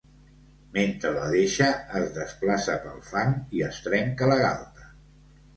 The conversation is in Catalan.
Mentre la deixa, es desplaça pel fang i es trenca la galta.